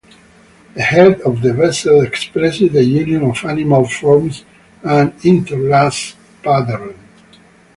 The head of the vessel expresses the union of animal forms and interlace pattern.